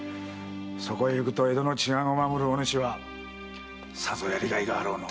そこへゆくと江戸の治安を守るお主はさぞやりがいがあろうの。